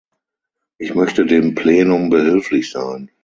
Ich möchte dem Plenum behilflich sein.